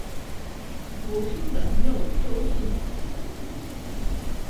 Olsun da, ne olursa olsun!